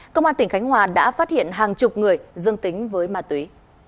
công an tỉnh khánh hòa đã phát hiện hàng chục người dương tính với ma túy